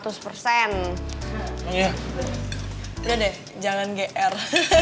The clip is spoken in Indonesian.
udah deh jangan gr